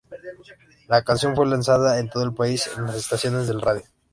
La canción fue lanzada en todo el país en las estaciones de radio.